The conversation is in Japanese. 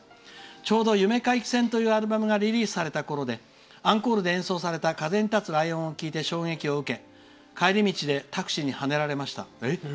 ちょうど「夢回帰線」というアルバムがリリースされたころでアンコールで歌われた「風に立つライオン」に衝撃を受け、帰り道でタクシーにはねられました。